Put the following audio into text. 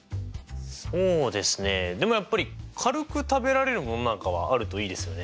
そうですねでもやっぱり軽く食べられるものなんかはあるといいですよね。